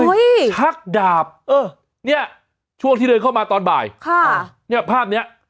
ชักดาบเออเนี้ยช่วงที่เดินเข้ามาตอนบ่ายค่ะเนี่ยภาพเนี้ย